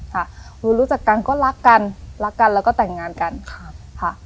ค่ะรู้จักกันก็รักกันรักกันแล้วก็แต่งงานกันค่ะ